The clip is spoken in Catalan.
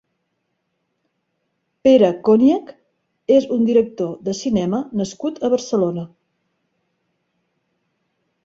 Pere Koniec és un director de cinema nascut a Barcelona.